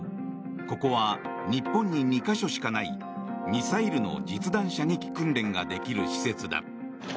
ここは日本に２か所しかないミサイルの実弾射撃訓練ができる施設だ。